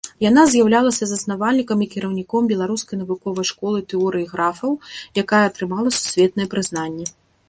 Яна з'яўлялася заснавальнікам і кіраўніком беларускай навуковай школы тэорыі графаў, якая атрымала сусветнае прызнанне.